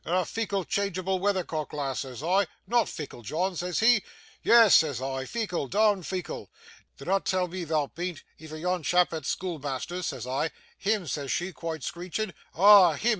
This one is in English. "Ye're a feeckle, changeable weathercock, lass," says I. "Not feeckle, John," says she. "Yes," says I, "feeckle, dom'd feeckle. Dinnot tell me thou bean't, efther yon chap at schoolmeasther's," says I. "Him!" says she, quite screeching. "Ah! him!"